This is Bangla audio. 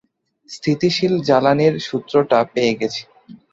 স্থিতিশীল জ্বালানীর সূত্রটা পেয়ে গেছি।